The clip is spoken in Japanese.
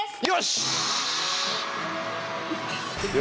よし！